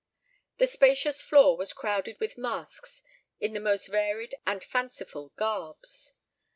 The spacious floor was crowded with masques in the most varied and fanciful garbs.